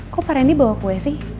kok pak rendy bawa kue sih